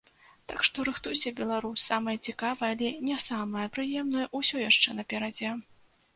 Так што рыхтуйся, беларус, самае цікавае, але не самае прыемнае, усё яшчэ наперадзе.